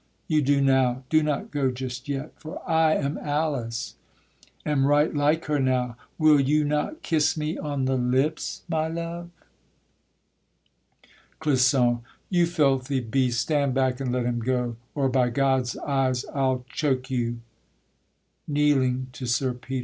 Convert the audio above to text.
you do now. Do not go just yet, For I am Alice, am right like her now, Will you not kiss me on the lips, my love? CLISSON. You filthy beast, stand back and let him go, Or by God's eyes I'll choke you! [Kneeling to Sir Peter.